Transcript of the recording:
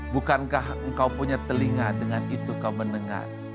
bukankah engkau punya telinga dengan itu kau mendengar